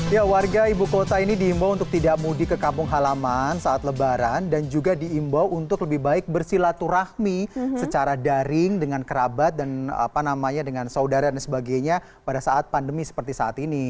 ya warga ibu kota ini diimbau untuk tidak mudik ke kampung halaman saat lebaran dan juga diimbau untuk lebih baik bersilaturahmi secara daring dengan kerabat dan apa namanya dengan saudara dan sebagainya pada saat pandemi seperti saat ini